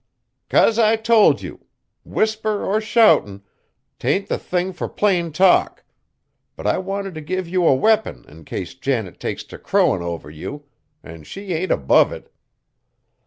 "'Cause I told you. Whisper or shoutin', 't ain't the thing fur plain talk; but I wanted t' give you a weapon in case Janet takes t' crowin' over you an' she ain't above it.